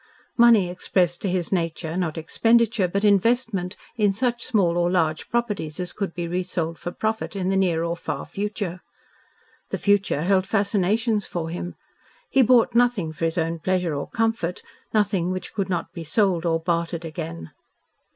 Money expressed to his nature, not expenditure, but investment in such small or large properties as could be resold at profit in the near or far future. The future held fascinations for him. He bought nothing for his own pleasure or comfort, nothing which could not be sold or bartered again.